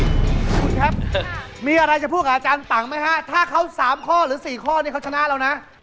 คุณครับมีอะไรจะพูดกับอาจารย์ปังไหมฮะถ้าเขา๓ข้อหรือ๔ข้อนี้เขาชนะเรานะ